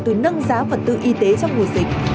từ nâng giá vật tư y tế trong mùa dịch